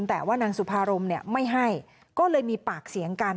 แต่ว่านางสุภารมเนี่ยไม่ให้ก็เลยมีปากเสียงกัน